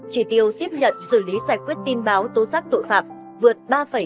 trị tiêu tiếp nhận dự lý giải quyết tin báo tố giác tội phạm vượt ba ba mươi bảy